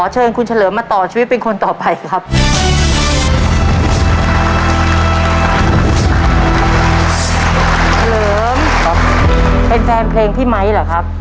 เฉลิมเป็นแฟนเพลงพี่ไม้เหรอครับ